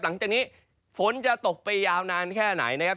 หลังจากนี้ฝนจะตกไปยาวนานแค่ไหนนะครับ